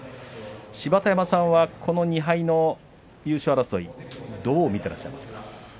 芝田山さんはこの２敗の優勝争いどう見てらっしゃいますか。